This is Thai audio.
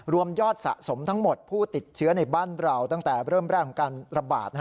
รวมยอดสะสมทั้งหมดผู้ติดเชื้อในบ้านเราตั้งแต่เริ่มแรกของการระบาด